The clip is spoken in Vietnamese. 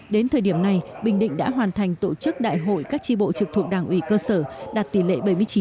đến thời điểm này bình định đã hoàn thành tổ chức đại hội các tri bộ trực thuộc đảng ủy cơ sở đạt tỷ lệ bảy mươi chín